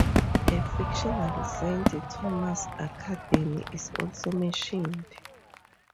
A fictional Saint Thomas' Academy is also mentioned.